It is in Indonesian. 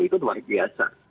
itu luar biasa